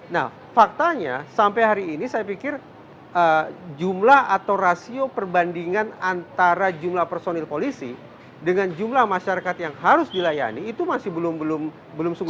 nah faktanya sampai hari ini saya pikir jumlah atau rasio perbandingan antara jumlah personil polisi dengan jumlah masyarakat yang harus dilayani itu masih belum sungguh